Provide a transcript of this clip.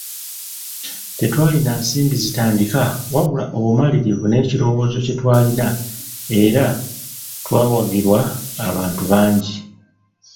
Tetwalina nsimbi zitandika wabula obumalirivu n'ekirowoozo kye twalina era twawagirwa abantu bangi.